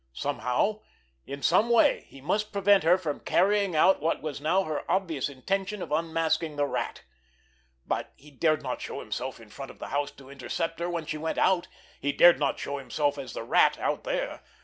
Somehow, in some way, he must prevent her from carrying out what was now her obvious intention of unmasking the Rat. But he dared not show himself in front of the house to intercept her when she went out—he dared not show himself as the Rat out there.